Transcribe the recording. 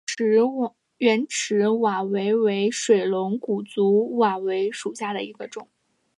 圆齿瓦韦为水龙骨科瓦韦属下的一个种。